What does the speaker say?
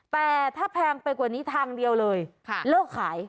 แต่ถ้าแพงไปกว่านี้ทางเดียวเลยเลิกขาย